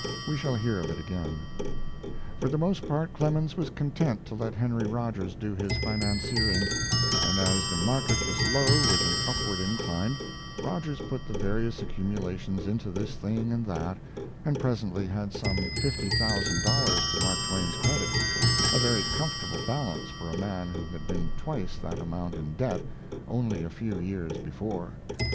We shall hear of it again. For the most part Clemens was content to let Henry Rogers do his financiering, and as the market was low with an upward incline, Rogers put the various accumulations into this thing and that, and presently had some fifty thousand dollars to Mark Twain's credit, a very comfortable balance for a man who had been twice that amount in debt only a few years before.